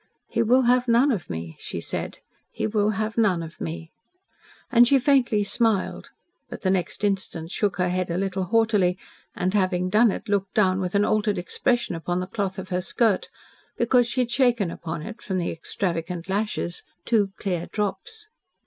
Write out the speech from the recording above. "He will have none of me," she said. "He will have none of me." And she faintly smiled, but the next instant shook her head a little haughtily, and, having done so, looked down with an altered expression upon the cloth of her skirt, because she had shaken upon it, from the extravagant lashes, two clear drops.